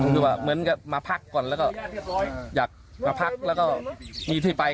คือว่าเหมือนกับมาพักก่อนแล้วก็อยากมาพักแล้วก็มีที่ไป